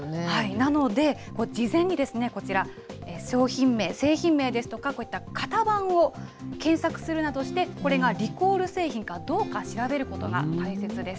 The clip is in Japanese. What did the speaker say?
なので、事前にこちら、商品名、製品名ですとか、こういった型番を検索するなどして、これがリコール製品かどうか調べることが大切です。